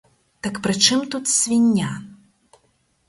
Так пры чым тут свіння?